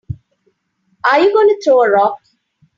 Are you gonna throw a rock?